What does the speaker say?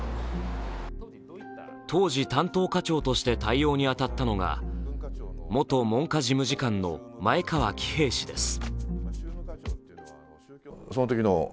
当時、担当課長として対応に当たったのが元文科事務次官の前川喜平氏です。